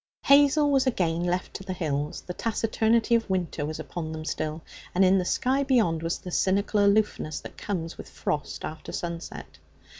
Hazel was again left to the hills. The taciturnity of winter was upon them still, and in the sky beyond was the cynical aloofness that comes with frost after sunset.